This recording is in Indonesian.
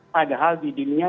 padahal di dunia